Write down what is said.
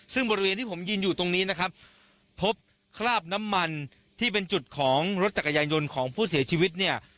ซึ่งบริเวณที่ผมยืนอยู่ตรงนี้นะครับพบคราบน้ำมันที่เป็นจุดของรถจักรยานยนต์ของผู้เสียชีวิตเนี่ย